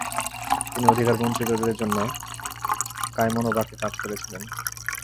তিনি অধিকার বঞ্চিতদের জন্য কায়মনোবাক্যে কাজ করেছিলেন।